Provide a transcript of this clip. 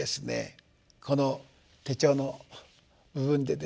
この手帳の部分でですね